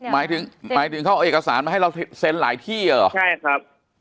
หมายถึงเขาเอาอีกที่นึงครับ